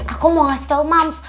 aku mau ngasih tau mom